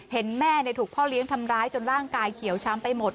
เห็นแม่ถูกพ่อเลี้ยงทำร้ายจนร่างกายเขียวช้ำไปหมด